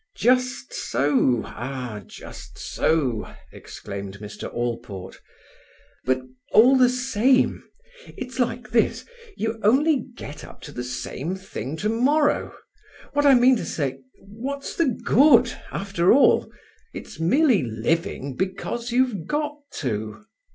"Just so! Ah, just so!" exclaimed Mr Allport. "But all the same—it's like this—you only get up to the same thing tomorrow. What I mean to say—what's the good, after all? It's merely living because you've got to."